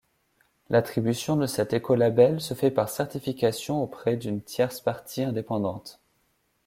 L'attribution de cet écolabel se fait par certification auprès d'une tierce partie indépendante.